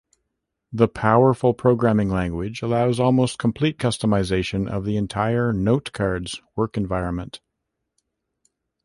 The powerful programming language allows almost complete customization of the entire NoteCards work environment.